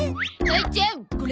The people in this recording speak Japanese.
あいちゃんこれ！